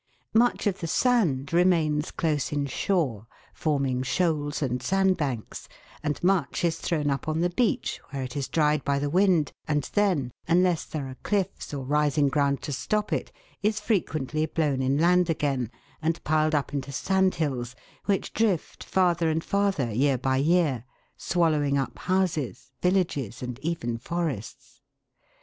Much of the sand remains close in shore, forming shoals and sand banks, and much is thrown up on the beach, where it is dried by the wind, and then, unless there are cliffs or rising ground to stop it, is frequently blown inland again, and piled up into sand hills, which drift farther and farther year by year, swallowing up houses, villages, and even forests.